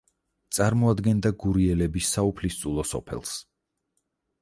წარმოადგენდა გურიელების საუფლისწულო სოფელს.